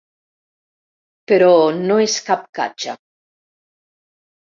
Però no és cap catxa.